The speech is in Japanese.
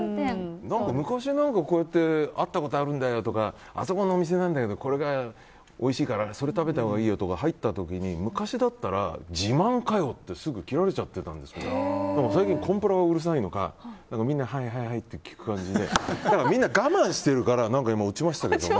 昔、こうやって会ったことがあるんだよとかあそこのお店なんだよとかこれがおいしいからそれ食べたほうがいいよとか入った時に、昔だったら自慢かよってすぐ切られちゃってたんですけど最近コンプラがうるさいのかみんな、はいはいって聞く感じで我慢してるから。